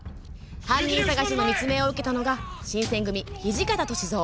犯人捜しの密命を受けたのが新選組・土方歳三。